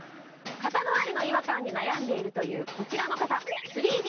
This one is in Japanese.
肩周りの違和感に悩んでいるというこちらの方３Ｄ